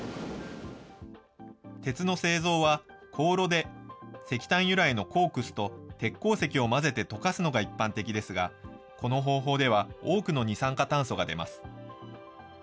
鉄の製造は高炉で石炭由来のコークスと鉄鉱石を混ぜて溶かすのが一般的ですがこの方法では多くの二酸化炭素が出ます。